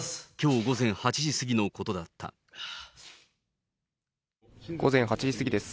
それは、午前８時過ぎです。